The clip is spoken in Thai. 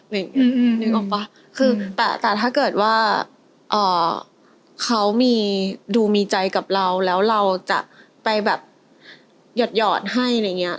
นึกออกป่ะคือแต่แต่ถ้าเกิดว่าเขามีดูมีใจกับเราแล้วเราจะไปแบบหยอดให้อะไรอย่างเงี้ย